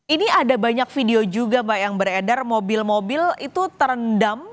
ini ada banyak video juga pak yang beredar mobil mobil itu terendam